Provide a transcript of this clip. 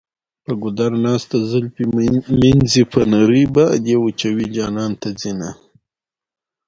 په ګودر ناسته زلفې مینځي په نري باد یې وچوي جانان ته ځینه.